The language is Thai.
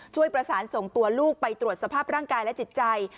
ช่วยประสานส่งตัวลูกไปตรวจสภาพร่างกายและจิตใจ